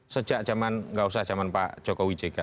sejak zaman gak usah zaman pak jokowi jk